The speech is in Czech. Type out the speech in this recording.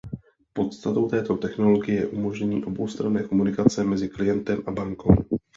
Podstatou této technologie je umožnění oboustranné komunikace mezi klientem a bankou.